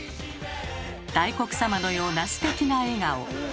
大黒様のようなステキな笑顔。